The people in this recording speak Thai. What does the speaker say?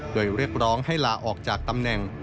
โดยเรียกร้องให้ลาออกจากตำแหน่ง